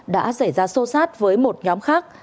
đã xảy ra xô xát với một nhóm khác